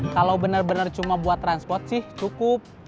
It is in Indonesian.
kalau benar benar cuma buat transport sih cukup